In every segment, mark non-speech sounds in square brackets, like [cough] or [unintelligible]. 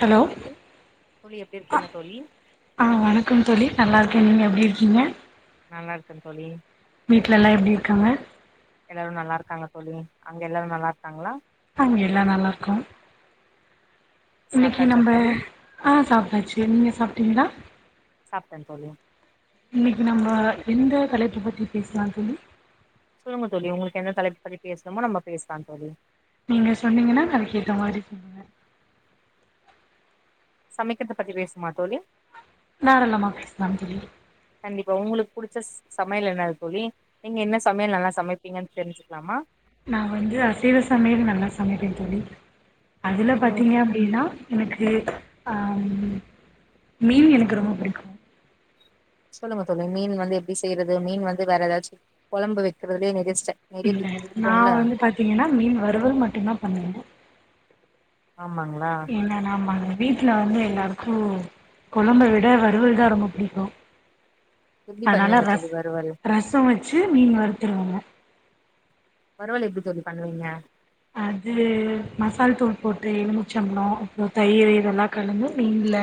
Hello தோழி தோழி எப்டி ஆ இருக்கீங்க தோழி ஆஹ வணக்கம் தோழி நல்லா நீங்க எப்படி இருக்கீங்க நல்லா இருக்கன் தோழி வீட்ல எல்லா எப்படி இருக்காங்க எல்லாரு நல்லா இருக்காங்க தோழி அங்க எல்லாரும் நல்லா இருக்காங்களா அங்க எல்லா நல்லா இருக்கோம் இன்னைக்கு சாப்ட்டாச்சா நம்ப தோழி ஆ சாப்பிட்டாச்சு நீங்க சாப்பிட்டீங்களா சாப்டந் தோழி இன்னைக்கு நம்ம எந்த தலைப்பு பத்தி பேசலாம் தோழி சொல்லுங்க தோழி உங்களுக்கு எந்த தலைப்ப பத்தி பேசணுமோ நம்ம பேசலாம் தோழி நீங்க சொன்னீங்கன்னா அதுக்கு ஏத்த மாதிரி சொல்வ சமைக்கறத பத்தி பேசுமா தோழி தாராளமா பேசலாம் தோழி கண்டிப்பா உங்களுக் புடிச்ச சமையல் என்ன தோழி. நீங்க என்ன சமையல் நல்லா சமைப்பீங்கன் தெரிஞ்சுக்லாமா நா வந்து அசைவ சமையல் நல்லா சமைப்பே தோழி அதுல சொல்லுங்க பாத்தீங்கனா அப்படின்னா எனக்கு அம் மீன் எனக்கு ரொம்ப பிடிக்கும் சொல்லுங்க தோழி மீன் வந்து எப்படி செய்யறது மீன் வந்து வேற ஏதாச்சு குழம்பு வைக்கறது [unintelligible] இல்ல நா வந்து பாத்தீங்கன்னா மீன் வருவல் மட்டுந்தா பண்ணுவே ஆமாங்களா என்ன நாமாங்க வீட்டுல வந்து எல்லாருக்கு குழம்ப விட வறுவல் தா ரொம்ப பிடிக்கு எப்டி அதனால பண்ணுவீங்க தோழி ரஷ் வறுவல் ரசம் வச்சு மீன் வறுத்துருவங்க வறுவல் எப்படி தோழி பண்ணுவீங்க அது மசால்தூள் போட்டு எலுமிச்சம் பழ அப்பறம் தயிர் இதெல்லா கலந்து மீன்ல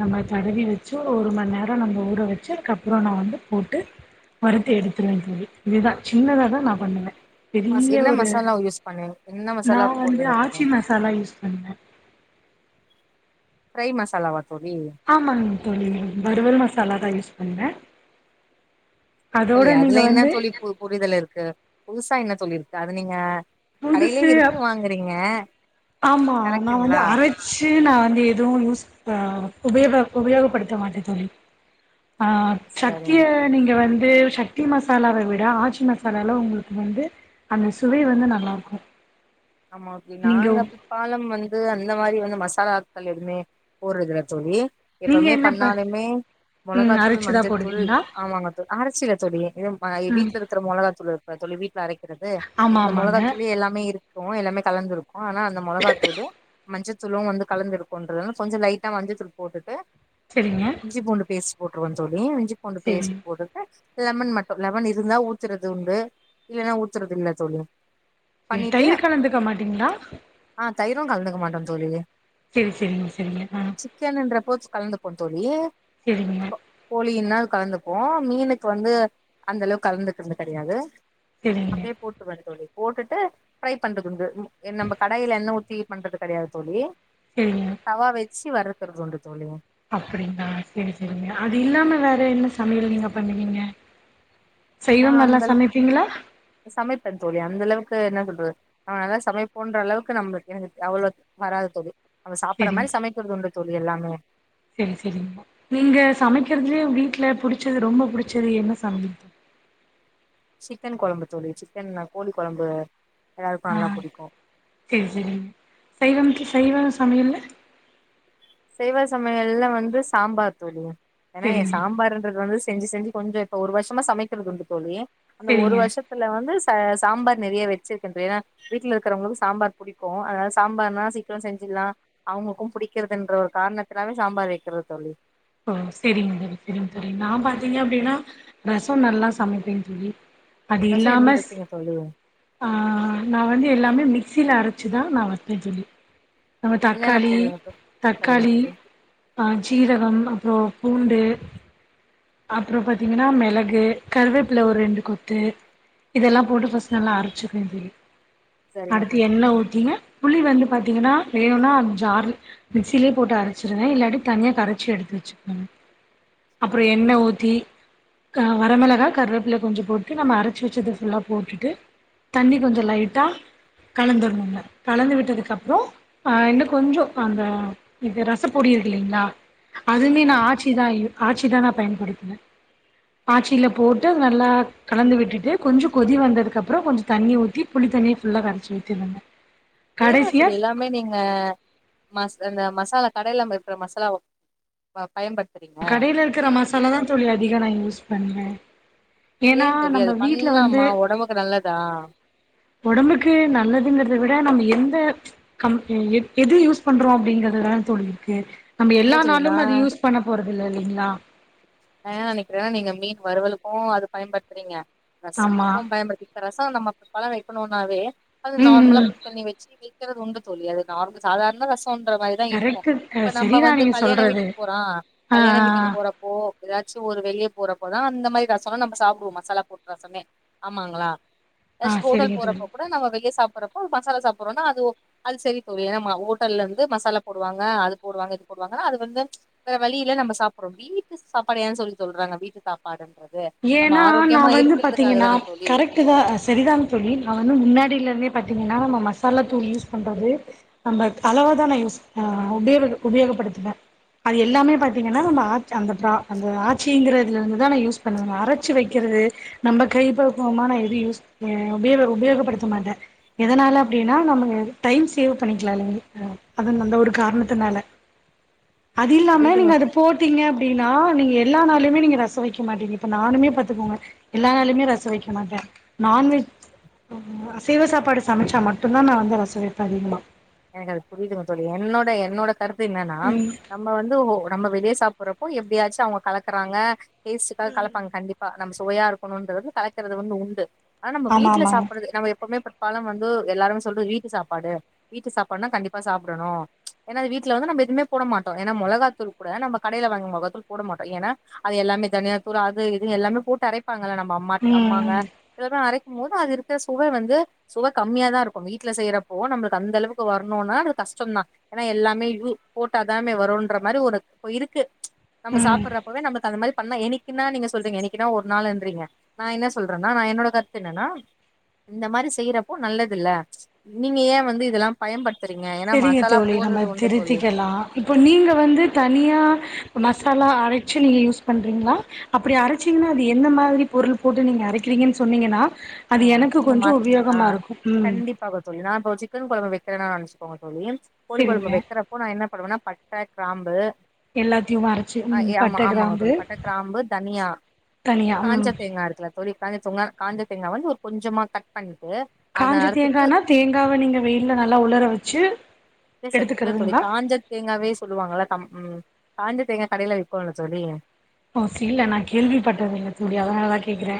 நம்ம தடவி வச்சு ஒரு ம நேரம் நம்ம ஊற வச்சு கப்புறம் நா வந்து போட்டு வறுத்து எடுத்துடுவ தோழி இதுதா சின்னதாதா நா பண்ணுவ மாச என்ன மசாலாவ யூஸ் பண்ணுவீங்க என்ன நா மசாலா வந்து போடுவீங்க தோழி ஆச்சி மசாலா யூஸ் பன் என்ன ஃபிரை மசாலா வா ஆமாங்க தோழி வறுவல் மசாலாதா யூஸ் என்ன அதுல என்ன தோழி புரிதல் இருக்கு புதுசா என்ன தோழி இருக்கு அது நீங்க கடையிலே புதுசு இருக்கு வாங்குறீங்க ஆமா நா வந்து கரெக்ட்டுங்களா அரைச்சு நா வந்து எதுவு யூஸ் உபயோக உபயோகப்படுத்த மாட்ட தோழி ஆ சக்திய சரிங்க தோழி நீங்க வந்து சக்தி மசாலாவ விட ஆச்சி மசாலால உங்களுக்கு வந்து அந்த சுவை வந்து நல்லா இருக்கு ஆமா அப்படி நீங்க நாங்க பாலம் வந்து அந்த மாதிரி வந்து மசாலாக்கள் எதுவுமே போடுறதுல தோழி நீங்க எப்பவுமே என்ன ப பண்ணாலுமே ம் மிளகாத்தூள் அரைச்சுதா மஞ்சத்தூள் போடுவீங்களா ஆமாங்க தோழி அரைச்சிர தோழி இது ம் வீட்டுல இருக்கிற மிளகாத்தூள் இருக் ஆ தொழுவி அரைக்கிறது ஆமா அந்த ஆமாங்க மிளகாத்தூள்ளே எல்லாமே இருக் கு எல்லாமே கலந்திரு ஆனா அந்த மிளகாத்தூளு மஞ்சத்தூளு வந்து கலந்து இருக்குன்றுதுனால கொஞ்சோ லைட்டா மஞ்சத்தூள் போட்டுட்டு சரிங்க இஞ்சி பூண்டு பேஸ் போட்ருவ தோழி இஞ்சி கொண்டு பேஸ்ட் சரிங்க போட்டுட்டு லெமன் மட்டு லெமன் இருந்தா ஊத்துறது உண்டு இல்லனா ஊத்துறது இல்ல தோழி. ம் பண்ணிட்டு தயிர் கலந்தது ருக்கமாட்டீங்களா ஆ தயிரு கலந்துக்க மாட்டோ தோழி. செரி செரிங்க செரிங்க அ கலந்துபோந்தோழி செரிங்க. கலந்துப்போ மீனுக்கு வந்து அந்தளவுக் கலந்துட்டுருந்து கெடயாது சரிங்க அப்டியே போட்ருவே தோழி. போட்டுட்டு ட்ரைப் பண்றதுண்டு ம் நம்ம கடாயில என்ன ஊத்தி பண்றது கெடயாது தோழி. சரிங்க தவா வெச்சு வறுத் [unintelligible] கொண்டு தோழி [unintelligible] அப்புடிங்களா செரி செரிங்க அது இல்லாம வேற என்ன சமயல் நீங்க பண்ணுவீங்க நா சைவம் நல்லா அந்தள சமைப்பீங்களா சமைப்பே தோழி அந்த அளவுக் என்ன சொல்றது நா நல்லா சமைப்போன்றளவுக்கு நம்மளுக்கு எங்களுக்கு அவ்ளவு வராது தோழி அவ சாப்புற செரிங்க மாரி சமைக்கிறது உண்டு தோழி எல்லாமே செரி செரிங்க நீங்க சமைக்கிறதுலயே வீட்ல புடிச்சது ரொம்ப புடிச்சது என்ன சமயல் சிக்கனு கொழம்பு தோழி சிக்கன் அ கோழிக்கொழம்பு ஆ செரி செரிங்க சைவம் கி சைவ சமயல்ல சைவ சமயல்ல வந்து சாம்பார் தோழி. ஏன்னா எ செரிங்க சாம்பாறுங்றது வந்து ஸ் செஞ்சு செஞ்சு கொஞ்சோ இப்போ ஒரு வருஷமா சமைக்கிறதுண்டு தோழி. அந்த ஒரு செரிங்க வருஷத்துல வந்து ச ஸ் சாம்பார் நெறையா வச்சிருக்குறது ஏனா வீட்ல இருக்கிறவங்களு சாம்பார் புடிக்கு அதனால சாம்பார்னா சீக்கிர செஞ்சுர்லா அவுங்களுக்கும் புடிக்கிறத் ன்ற ஒரு காரணத்துனாவே சாம்பார் வக்கிறது தோழி. ஓ செரிங்க தோழி செரிங்க தோழி நா பாத்தீங்க அப்டின்னா ரசோ நல்லா சமப்பேன் தோழி. அது ரசோ இல்லாம எப்டி ஸ் வைப்பீங்க தோழி ஆ நா வந்து எல்லாமே மி மிக்ஸில அரச்சுதா நா வப்பே தோழி நம்ம என்னென்ன தக்காளி போடுவீங்க தோழி சரிங்க தக்காளி தோழி அ ஜீரகம் ப்ப பூண்டு அப்றோ பாத்தீங்கன்னா மெளகு கருவேப்ல ஒரு ரெண்டு கொத்து இதல்லா போட்டு ஃபஸ்ட் நல்லா அரைச்சுக்ணூ இதுலே சரிங்க அடுத்து தோழி என்ன ஊத்தீங்க புளி வந்து பாத்தீங்கனா வேணுனா அ ஜார்ல மிக்ஸிலே போட்டு அரச்சிருங்க இல்லாட்டி தனியா கரச்சி எடுத்து வச்சிக்கோங் ப்றோ சரிங்க தோழி எண்ண ஊத்தி க வரமெளகா கருவேப்பில கொஞ்சோ போட்டு நம்ம அரைச்சு வச்சது ஃபுல்லா போட்டுட்டு தண்ணி கொஞ்சோ லைட்டா கலந்துட்ணூங்க கலந்து விட்டதுக்கப்றோ ஆ இன்னு கொஞ்சோ அந்த இது ரச பொடிருக்கில்லைங்ளா அதுமே நா ஆமாங்க தோழி ஆச்சி தா யூ ஆச் பயன்படுத்துவ ஆச்சில போட்டு நல்லா கலந்து விட்டுட்டு கொஞ்சோ கொதி வந்ததுக்கப்றோ கொஞ்சோ தண்ணி ஊத்தி புளி தண்ணிய ஃபுல்லா கரச்சு ஊத்திருவங்க எதனால தோழி எல்லாமே நீங்க மஸ் அந்த மசாலா கடைலமருக்ற மசாலாவோ வ பயன்பட் கடையிலருக்கிற மசாலா தா தோழி அதிக நா யூஸ் பண்வே ஏனா ஏன் தோழி நம்ம அது வீட்ல வந்து பண்ணலாமா ஒடம்புக்கு நல்லதா ஒடம்புக்கு நல்லதுங்கிறத விட நம்ம எந் து கம் எத் எது யூஸ் பண்றோ அப்டிங்றது தான தோழி இருக்கு நம்ம இல்ல எல்லா தோழி நா நாளும் அது யூஸ் பண்ணப் து லீங்களா ஆ நிக்கிறே நீங்க மீன் வறுவலுக்கூ அது பயன்பத்றீங்க ஆமா ரஸத்துக்கூ பயன்படுத்திக் ரஸ் ஆ நமக் பழோ வெக்கணூனாவே அது ம் நார்மலா ம் புளி தண்ணி வச்சு வி [unintelligible] தோழி அது நார்ம் சாதார்ண ரஸ டோன்ற மாரிதா இருக்கூ கரெக்ட்டு இப்ப நம்ம சரிதா வந்து நீங்க கல்யாண சொல்றது வீட்டுக் போறோ ஆ ஆ கல்யாண வீட்டுக்கு போறப்போ து ஒரு வெளியே போறப்போதா அந்த மாரி ரசம நம்ம சாப்பிடுவோ மசாலா போட் ரசமே ஆமாங்ளா ஆ அஷ் ஆ ஹோட்டல் சரிங்க தோழி போறப்ப கூட நாங்க வெளியே சாப் புறப்ப மசாலா சாப்பிடுறோன்னா அது ஓக் அது சரி தோழி ஏனா ம ஓட்டல்லந்து மசாலா போடுவாங்க அது போடுவாங்க இது போடுவாங்கன்னா அது வந்து வேற வழியில்ல நம்ம சாப்றோ வீட்டு சாப்பாடு ஏன் சொல்லி சொல்றாங்க வீட்டு சாப்பாடு ஏனா நா வந்து பாத்தீங்கன்னா தான தோழி கரெக்ட்டு தா ஆ சரிதாங் தோழி நா வந்து முன்னாடிலருந்தே பாத்தீங்கன்னா நா மசாலா தூள் யூஸ் பண்றது நமக் அளவா தா நா யூஸ் ஆ உபயோகப் உபயோகப்படுத்துவே அது எல்லாமே பாத்தீங்கன்னா நம்ம ஆச் அந்த ப்ரா அந்த ஆச்சிங்கிறதுலருந்து தா நா யூஸ் பண்ணுவேங்க அரச்சு வெக்கிறது நம்ம கைப்பவ் வ் மான எது யூஸ் ஆ உபயோக உபயோகப்படுத்த மாட்டே எதனால அப்டின்னா நம்ம டைம் சேவ் பண்ணிக்லால்லைங்க் அ அந்த ஒரு காரணத்துனால அதில்லாம புரியுதுங்க நீங்க அது போட்டீங்க அப்டீனா நீங்க எல்லா நாளுமே நீங்க ரச வெக்க மாட்டீங்க ப நானுமே பாத்துக்கோங்க எல்லா நாளுமே ரச வெக்க மாட்டே நான்வெஜ் ஆ அசைவ சாப்பாடு சமைச்சா மட்டுந்தா நா வந்து ரச வெப்பே அதிகமா எனக்கது புரியுதுங்க தோழி என்னோட என்னோடக் கருத்து என்னன்னா ம் நம்ம வந்து ஒ நம்ம வெளிய ஸ் சாப்படுறப்போ எப்படியாச்சூ அவுங்க கலக்குறாங்க டேஸ்டுக்காக கலப்பாங்க கண்டிப்பா நம்ம சுவையா இருக்கணுன்றது கலக்கிறது வந்து உண்டு அத நம்ம ஆமா வீட்டல ஆமாங்க சாப்படுறது நம்ம எப்பவுமே ப பழம் வந்து எல்லாருமே சொல்றது வீட்டு சாப்பாடு வீட்டு சாப்பாடுனா கண்டிப்பா சாப்டணு ஏன்னா வீட்ல வந்து நம்ம எதுமே போட மாட்டோ ஏனா மொளகாதூள் கூட நம்ம கடையில வாங்கற மொளகாதூள் போட மாட்டோ ஏனா அது எல்லாமே தனியாதூள் அது இது எல்லாமே போட்டு அரை இருப்பாங்கள நம்ம அம்மாட் அம்மாங்க ம் ம் இத தா அரைக் மோத அது இருக்க சுவ வந்து சுவ கம்மியா தா இருக்கு வீட்ல செய்றப்போ நம்மளுக் அந்த அளவுக்கு வரணுனா அது கஷ்டம் தா ஏனா எல்லாமே யு போட்டா தானே வரும்ன்ற மாரி ஒரு இருக்கு ம்ச் நம்ம ம் சாப்புறப்பவே நமக்கு அந்த மாரி அண்ணா எனைக்கின்னா நீங்க சொல்றிங்க எனைக்கின்னா ஒரு நாள்ன்றிங்க நா என்ன சொல்றனா நா என்னோட கருத்து என்னனா இந்த மாறி செய்றப்போ நல்லதுல்ல நீங்க ஏன் வந்து இதுதெல்லா பயன்பட் செரிங்க தோழி நம்ம திருத்திக்கலா இப்போ நீங்க வந்து தனியா மசாலா அரச்சு நீங்க யூஸ் பண்றீங்களா அப்படி அரச்சிங்கனா அது எந்த மாரி பொருள் போட்டு நீங்க அரைக்கிறீங்கன்னு சொன்னீங்கனா ஆஹ் நீங்க மாப்பீங்க ஆஹ் ம் கண்டிப்பா [unintelligible] ப்பச்சுன் சிக்கன் குழம்பு வக்கிறனா நெனச்சுக்கோங்க தோழி கோழி சரிங்க கொழம்பு வெக்கிறப்போ நா என்ன பண்ணுவேனா பட்ட கிராம்பு எல்லாதுயும் அரச்சு ஆ ம் ஏ ஆமா பட்ட ஆமாங்க கிராம்பு தோழி பட்ட கிராம்பு தனியா தனியா உம் புளி காஞ்ச தொங்க காஞ்சத் ங்க வந்து ஒரு கொஞ்சமா கட் பண் காஞ்சு தேங்கானா தேங்காவ நீங்க வெயில்ல நல்லா உளற வச்சு ஏ ச இல்ல தோழி எடுத்துக்கிறதுங்களா காஞ்ச தேங்காவே சொல்லுவாங்கள்ள தம் உம் காஞ்ச தேங்கா கடைல விக்கூல்ல தோழி ஓ இல்ல நா கேள்விப்பட்டதில்ல தோழி அதனாலதா கேக்கிற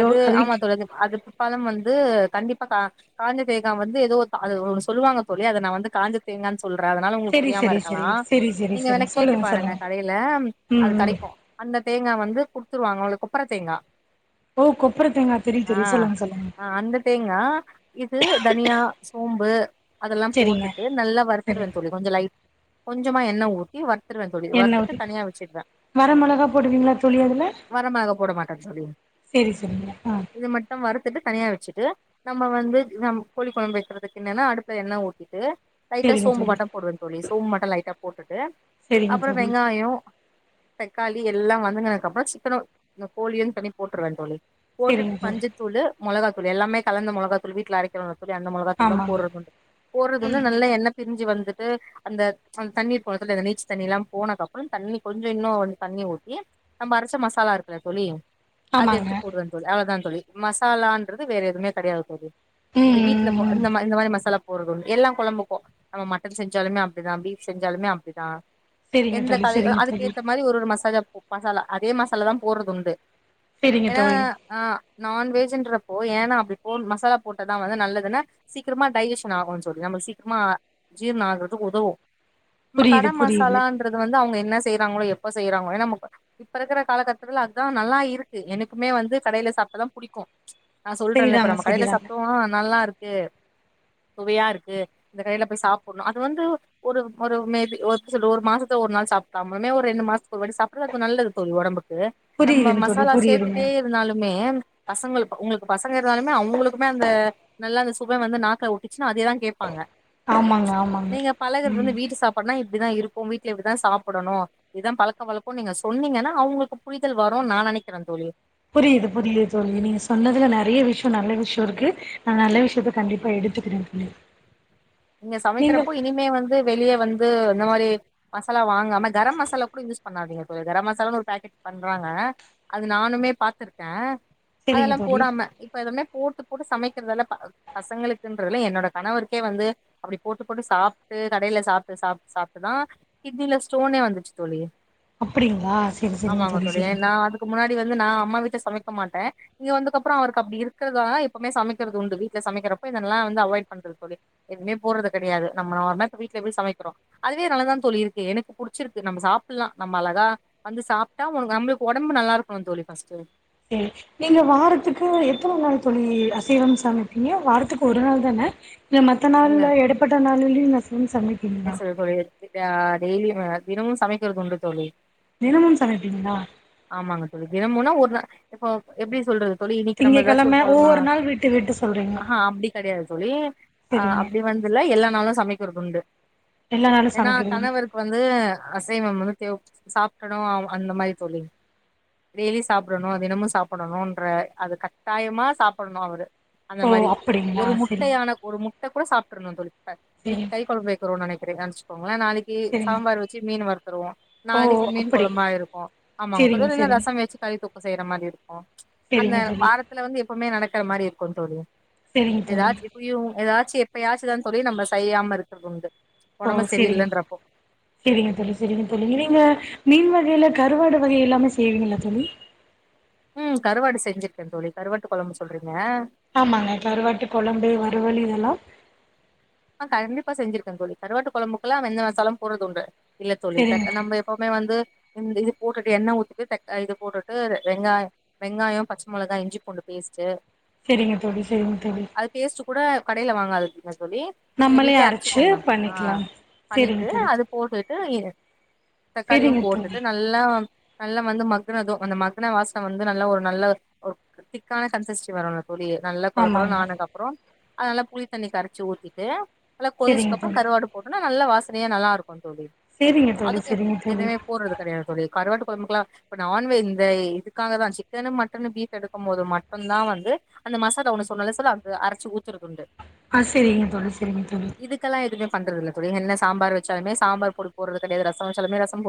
அது ஆமா தொடது அது பலம் வந்து இது கண்டிப்பா கா காஞ்ச தேங்கா வந்து ஏதோ த அது ஒன்னு சொல்லுவாங்க தோழி அத நா வந்து காஞ்ச தேங்கான் சொல்ற அதனால உங்களுக்கு சரி புரியாம சரி இருக்கலா சரி சரி சரி நீங்க சரி வேணா கேட்டு சொல்லுங்க பாருங்க சொல்லுங்க கடைல ம் அது கெடைக்கு அந்த தேங்கா வந்து குடுத்துருவாங்களு கொப்பரதேங்கா ஓ கொப்பர தேங்கா தெரியு ஆ தெரியு சொல்லுங்க சொல்லுங்க அ அந்த தேங்கா இது தனியா சோம்பு அதெல்லா சரிங்க போட்டுட்டு நல்லா சரி வருறுத்துருவே தோழி கொஞ்ச லைட் கொஞ்சமா எண்ண ஊத்தி வ திருவ தோழி எண்ணெ வற்த்துட்டு ஊத்தி தனியா வச்சட்வ வர மொளகா போடுவீங்களா தோழி வரமெள்கா போட மாட்ட தோழி சேரி சொல்லுங்க ஆஹ் இது மட்டு வறுத்துட்டு தனியா வெச்சிட்டு நம்ப வந்து நம் கோழி கொழம்பு வெக்றதுக்கு என்னென்னா அடுப்புல எண்ண ஊத்திட்டு லைட்டா சரிங்க சோம்பு தோழி மட்ட போடுறது தோழி சோம்பு மட்டோ லைட்டா போட்டுட்டு சரிங்க அப்புறம் தோழி வெங்காயோ தக்காளி எல்லா வந்துங்னகதுக்கப்ரோச் சிக்கன இந கோழியின் தனி போட்டுறுவேன் தோழி போட்டுட் சரிங்க தோழி பஞ்சுத்தூளூ மொளகா இப்டி எல்லாமே கலந்த முலகாத்தூள் வீட்ல அரைக்களா [unintelligible] அந்த மொலகாத்தூல் தா ஆமாங்க போற்றதுன்ட்டு போற்றதுன்னு நல்லா என்னேப் பிரிஞ்சு வந்து து அந்த அந் தண்ணீர் கொளத்துல அந்த நீச் தண்ணீல்லா போன கப்றம் தண்ணி கொஞ்சோ இன்னூ தண்ணீ ஊத்தி நம்ம அரச்ச மசாலா இருக்குல தொழி அது ஆமாங்க எத்துப் போட்ரேன் தோழி அவ்ளோதான் தோழி மசாலாண்டுருது வேறே எதுமே கெடையாது தோழி ம் இது வீட்ல ம் போ ம் அந்த மா இந்த மாரி மசாலாப் ஒரு ரண் எல்லாம் குழம்புக்கு நம்ம மட்டன் செஞ்சாலுமே அப்டிதா பீஃப் செஞ்சாலுமே அப்டிதா செரிங்க எந்தெக் தோழி கலை செரிங்க [unintelligible] அதுக்கு தோழி ஏத்தே மாரி ஒரு ஒரு மசாஜா மசாலா அதே மசாலா தா போற்றது உண்டு செரிங்க எனா தோழி ஆஹ் நான்வெஜ் ஜின்றப்போ ஏனா அப்டி போன் மசாலா போட்டதா வந்து நல்லதுனு சீக்கிரமா டைய்யிஷன் ஆகுன் சொல்லி நம்பள் சீக்மா ஜீர்ண ஆகுற்துக் உதவு மப கட புரியுது புரியுது மசாலான்ரது வந்து அவுங்க என்ன செய்றாங்களோ எப் ப்ப செய்றாங்கோ ஏ நம்முக்க இப்ப இருக்குற காலகத்துருல அத்தா நல்லா இருக் எனுக்குமே வந்து கடைல சாப்ட்டாதா புடிக்கு நா சொல்றேல்லே இப்ப செரிதாங்க நம்ப கடைல செரிதாங்க சப்டு நல்லார்க்கு சுவையாருக்கு இந்த கயல போய் சாப்புண்ணு அது வந்து ஒரு ஒரு மேபி ஒர்கு செல்லு ஒரு மாசத்த ஒரு நாள் சாப்ட்டாமுமே ஒரு ரெண்டு மாஸ்த்துக் ஒரு வாட்டி சாப்ற்றது அது ஒ நல்லது தோழி ஒடம்புக் து நம்ப புரியுதுங்க மஸ் தோழி அ புரியுதுங்க சேத்ததுட்டே இருந்தாலுமே பசங்களுப ஒங்கள்க்கு பசங்க இர்ந்தாலுமே அவுங்குளுக்குமே அந்த நல்லா அந்த சுவ வந்து நாக்ல ஒட்டிச்சினா அதேதா கேப்பாங்க ஆமாங்க ஆமாங்க நீங்க பழகுறது ம் வந்து வீட்டு சாப்பாடுனா இப்டிதா இருக்கு வீட்ல இப்டிதா சாப்படணு இதா பழக்க வழக்கோ நீங்க சொன்னிங்கனா அவுங்களுக்கு புரிதல் வருன் நா நெனைக் கற தோழி புரியிது புரியிது தோழி நீங்க சொன்னதுல நறைய விஷ்யோ நல்ல விஷ்யோ இருக்கு நா நல்ல விஷயத்த கண்டிப்பா எடுத்துக்கிறே தோழி நீங்க சமைக்கிறப்போ இனிமே வந்து வெளிய வந் து இந்த மாரி மசாலா வாங்காம கரம் மசாலா கூட யூஸ் பண்ணாதிங்க தோழி கரம் மசாலானு ஒரு பேக்கெட் பண்றாங்க அது நானுமே பாத்துருக்க செரிங்க அதெலா தோழி போடாம இப்ப எதுமே போட்டுப் போட்டு சமைக்கிறதெலா ப பசங்களுக்குன்றதுல என்னோட கணவருக்கே வந்து அப்டி போட்டு போட்டு சாப்ட்டு கடைல சாப்ட்டு சாப்ட்டு சாப்ட்டுதா கிட்னில ஸ்டோனே வந்துச்சு தோழி அப்டிங்களா செரி செரிங்க ஆமாங்க தோழி செரிங்க நா அதுக்கு முன்னாடி வந்து நா அம்மா வீட்ல சமைக்க மாட்டே இங்க வந்துக்கப்புறோ அவர்க்கு அப்டி இருக்கறதாலதா இப்பமே சமைக்கிறது உண்டு வீட்ல சமைக்கிறப்ப இதெல்லா வந்து அவாய்ட் பண்ற தோழி எதுமே போடறது கெடையாது நம்ம நார்மலா வீட்ல எப்டி சமைக்கிறோ அதுவே நல்லாதா தோழி இருக்கு எனக்கு புடிச்சிருக்கு நம்ப சாப்புல்லா நம்ம அழகா வந்து சாப்ட்டா உங் நம்மளுக் ஒடம்பு நல்லாருக்கனு தோழி ஃபஸ்ட்டு சேர் நீங்க வாரத்துக்கு எத்தன நாள் தோழி அசைவம் சமைப்பிங்க வாரத்துக்கு ஒரு நாள் தான இல்ல மத்த இல்ல நாள்ல எடப்பட்ட நாளுலயு நீ சமைக்றீங்ளா இதா டெய்லி அ தினமும் சமைக்கிறது உண்டு தோழி தினமு சமைப்பீங்ளா தினமுனா ஒரு நா இப்போ எப்டி சொல்றது தோழி இன்னைக்கு எதாச்சு ஒரு திங்ககெழம கொலம ஒவ்வொரு நாள் விட்டு விட்டு சொல்றீங்க ஆ ஹ அப்டி கெடயாது தோழி ஆஹ் செரிங்க அப்டி வந்தில்ல எல்லா நாலு சமை கிறதுண்டு எல்லா நாளு எனா சமைக்கிறீங்க கணவருக்கு வந்து அசைவமும் தே சாப்டொணா அந்த மாய் தோழி டெய்லி சாப்டணு தினமு சாப்புடணுன்ற அது கட்டாயமா சாப்புடணு அவுரு அந்த ஓ மாரி அப்டிங்களா ஒரு செரிங்க முட்டையான ஒரு முட்ட கூட சாப்ட்டுடணு தோழி இப்ப இன்னைக்கு செரிங்க கறி கொழம்பு இப்பிடி கவ்ண்ச்சிப்போ மொத நாளைக்கி செரிங்க சாம்பார் வச்சு மீன் வருத்துருவோ ஓ நாளைக்கு மீன் அப்டி குழம்பா இருக்கு ஆமாங்க செரிங்க கொதுதையா செரிங்க ரசம் வச்சு கறி தொக் செய்ற மாதிரி இருக் அ ச் அந்த செரிங்க தோழி வாரத்துல வந்து எப்பவ்மே நடக்கற மாரி இருக்கும் தோழி செரிங்க தோழி எதாச்சு எப்டியு எதா ச்சு எப்பயாச்சு தான் தோழி நம்ம செய்யாம இருக்குறதுண்டு ஓ செரிங்க செரிங்க தோழி செரிங்க தோழி நிறைவா மீன் வகைல கருவாடு வகை எல்லாமே செய்வீங்களா தோழி உம் கருவாடு செஞ்சிருக்கே தோழி கருவாட்டு கொழம்பு சொல்றீங்க ஆமாங்க கருவாட்டு கொழம்பு வறுவலு இதெல்லா அஹ் கண்டிப்பா செஞ்சிருக்கோ தோழி கருவாட்டு கொழம்புக்குலா வெந்த மசாலம் போறதுண்டு இல்ல தோழி தக் நம்ம எப்பவ்மே வந்து இந்த இது போட்டுட்டு எண்ண ஊத்திட்டு தக் ஆ இது போட்டுட்டு ர வெங்காயொ வெங்காயொ பச்ச் மெளகா இஞ்சி பூண்டு பேஸ்ட்டு செரிங்க தோழி செரிங்க தோழி கடேல வாங்காதது இருக்கும்ல தோழி நீங்க நம்மளே வீட்லே அரச்சு அறுச்சுக்கோங்க பண்ணிக்கலா ஆஹ் செரிங்க பண்ணிட்டு தோழி அது போட்டு கம் ஆகிரு தக்காளியு செரிங்க போட்டுட்டு தோழி நல்லா நல்லா வந்து மக்னது அந்த மக்ன வாஸ்ன வந்து நல்லா ஒரு நல்ல ஒ திக்கான கன்சஸ்ட் வரவு தோழி நல்லா ஆமாங்க கொலகொலன் ஆனகப்புறோ அதல்லா புளி தண்ணி கரச்சு ஊத்தி ஏ நல்லா செரிங்க கொதிச்கப்றம் தோழி கருவாடு போடுணு நல்ல வாசனையா நல்லாரு ஆ தோழி சேரிங்க தோழி அதுக்கு சேரிங்க தோழி எதுமே போட்றது கெடையாது தோழி கருவாட்டு கொழம்புக்குலா இப்ப நான் வென் வெய் இதுக்காக தா சிக்கனு, மட்டனு, பீஃப் எடுக்கும் போது மட்டுந்தா வந்து அந்த மசாலா ஒன்னு சொன்னல்ல [unintelligible] அது அரச்சு ஊத்தறதுன்ட்டு ஆஸ் செரிங்க தோழி செரிங்க தோழி பண்றல்ல தொழி என்ன சாம்பார் வச்சாலுமே சாம்பார் பொடி போட்றது கெடையது ரச வச்சாலுமே ரசம் போ